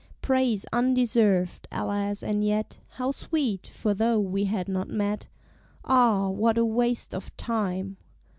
Praise undeserved, alas! and yet How sweet! For, tho' we had not met, (Ah! what a waste of time!)